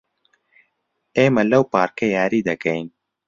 ئێمە لەو پارکە یاری دەکەین.